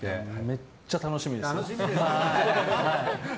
めっちゃ楽しみです。